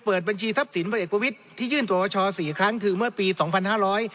บัญชีทรัพย์สินพลเอกประวิทย์ที่ยื่นตัวประชาสี่ครั้งคือเมื่อปีสองพันห้าร้อย